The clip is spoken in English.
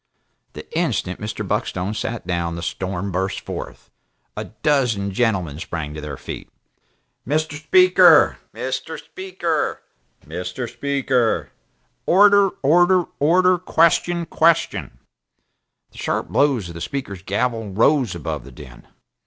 The instant Mr. Buckstone sat down, the storm burst forth. A dozen gentlemen sprang to their feet. "Mr. Speaker!" "Mr. Speaker!" "Mr. Speaker!" "Order! Order! Order! Question! Question!" The sharp blows of the Speaker's gavel rose above the din.